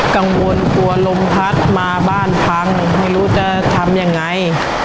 กังวลกลัวลมพัดมาบ้านพังผมไม่รู้จะทำยังไง